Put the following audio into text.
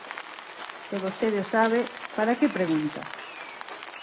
Se vostede o sabe, ¿para que pregunta?